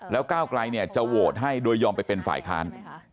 แล้วก้าวไกลเนี่ยจะโหวตให้โดยยอมไปเป็นฝ่ายค้าน